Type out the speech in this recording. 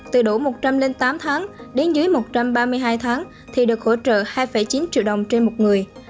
từ đủ một trăm linh tám tháng đến dưới một trăm ba mươi hai tháng thì được hỗ trợ hai chín triệu đồng trên một người